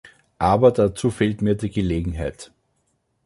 Aber dazu fehlt mir die Gelegenheit.